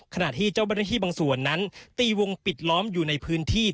ขณะที่เจ้าหน้าที่บางส่วนนั้นตีวงปิดล้อมอยู่ในพื้นที่